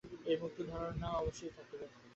এই মুক্তির ধারণা অবশ্যই থাকিবে।